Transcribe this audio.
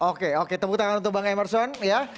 oke oke tepuk tangan untuk bang emerson ya